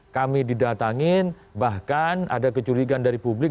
kami didatangin bahkan ada kecurigaan dari publik